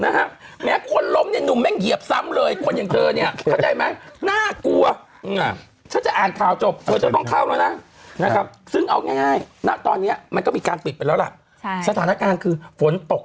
นะครับแม้ผมหลงนิดหนึ่งไม่เหยียบซ้ำเลยมันเราก็ได้แม้น่ากลัวว่าเอาเจอดลองข้ามนะนะครับซึ่งออกให้ตอนนี้มันก็มีการกลับไปแล้วรับสถานการณ์คือฝนตกหนัก